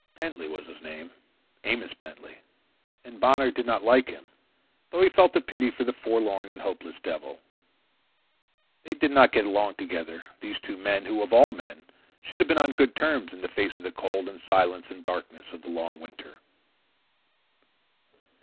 Pentley was his name Amos Pentley and Bonner did not like him, though he felt a pity for the forlorn and hopeless devil. They did not get along together, these two men who, of all men, should have been on good terms in the face of the cold and silence and darkness of the long winter.